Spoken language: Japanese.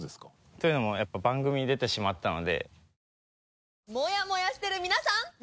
というのもやっぱ番組に出てしまったので。